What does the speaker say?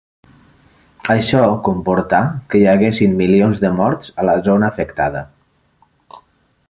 Això comportà que hi haguessin milions de morts a la zona afectada.